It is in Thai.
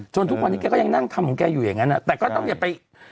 ทุกวันนี้แกก็ยังนั่งทำของแกอยู่อย่างนั้นแต่ก็ต้องอย่าไป